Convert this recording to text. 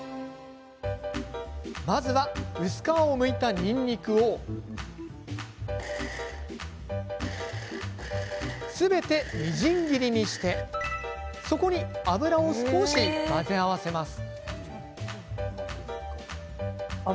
まずは薄皮をむいた、にんにくをすべて、みじん切りにしてそこに油を少し混ぜ合わせます。